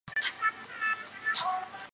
其他乘客仅受皮外伤。